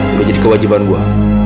udah jadi kewajiban gue